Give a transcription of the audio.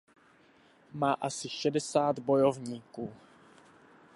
Má asi šedesát bojovníků.